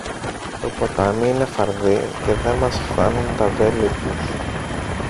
Το ποτάμι είναι φαρδύ και δε μας φθάνουν τα βέλη τους.